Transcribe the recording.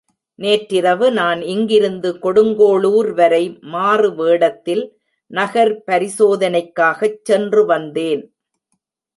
நேற்றிரவு நான் இங்கிருந்து கொடுங்கோளுர்வரை மாறு வேடத்தில் நகர் பரிசோதனைக்காகச் சென்று வந்தேன்.